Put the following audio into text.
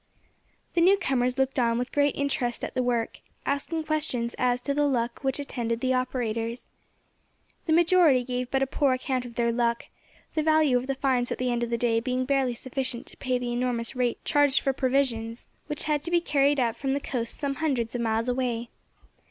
The new comers looked on with great interest at the work, asking questions as to the luck which attended the operators. The majority gave but a poor account of their luck, the value of the finds at the end of the day being barely sufficient to pay the enormous rate charged for provisions, which had to be carried up from the coast some hundreds of miles away.